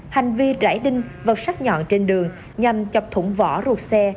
hành vi rãi đinh vật sắt nhọn trên đường nhằm chọc thủng vỏ ruột xe